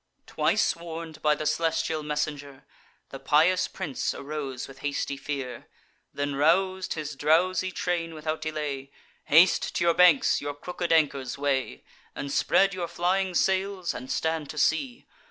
Twice warn'd by the celestial messenger, The pious prince arose with hasty fear; Then rous'd his drowsy train without delay: "Haste to your banks; your crooked anchors weigh, And spread your flying sails, and stand to sea.